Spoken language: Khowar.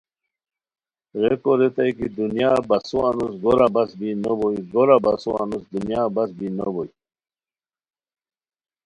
ریکو ریتائے کی دنیا بسو انوس گورا باس بین نو بوئے گورا بسو انوس دنیا بس بین نو بوئے